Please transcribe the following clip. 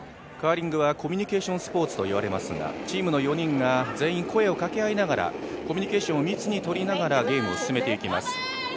カーリングはコミュニケーションスポーツと言われますがチームの４人が全員声を掛け合いながら、コミュニケーションを密にとりながらゲームを進めていきます。